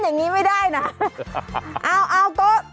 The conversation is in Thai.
อยู่นี่หุ่นใดมาเพียบเลย